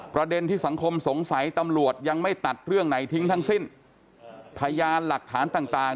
ประเด็นที่สังคมสงสัยตำรวจยังไม่ตัดเรื่องไหนทิ้งทั้งสิ้นพยานหลักฐานต่างต่าง